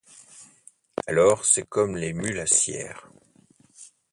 Alors c’est comme les mulassières.